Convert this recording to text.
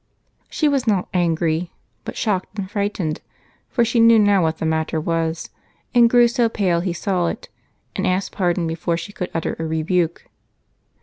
She was not angry, but shocked and frightened, for she knew now what the matter was and grew so pale, he saw it and asked pardon before she could utter a rebuke.